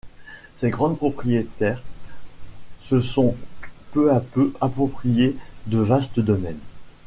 Ces grands propriétaires se sont peu à peu approprié de vastes domaines.